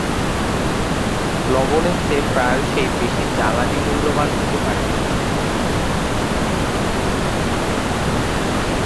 লবণের চেয়ে প্রায়শই বেশি জ্বালানী মূল্যবান হতে পারে।